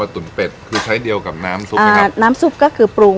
เที่ยงเนอะเหมือนกัน